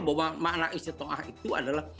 bahwa makna istri ta'ah itu adalah